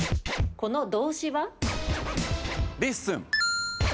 この動詞は？